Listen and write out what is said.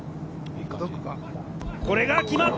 これが決まった！